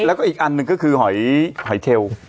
แล้วก็อีกอันหนึ่งก็คือหอยเชล